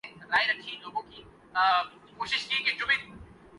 وزیر اعظم مراعاتی پیکج برائے برامد کنندگان میں کلیمز جمع کرانے کی تاریخ میں توسیع